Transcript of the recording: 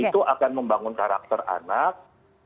itu akan membangun karakter anak